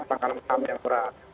pengalaman ham yang berat